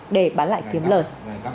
để bán lại kiếm lợi